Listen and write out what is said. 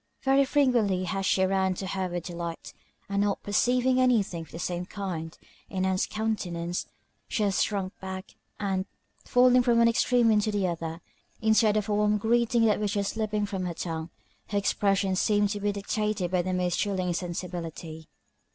Very frequently has she ran to her with delight, and not perceiving any thing of the same kind in Ann's countenance, she has shrunk back; and, falling from one extreme into the other, instead of a warm greeting that was just slipping from her tongue, her expressions seemed to be dictated by the most chilling insensibility.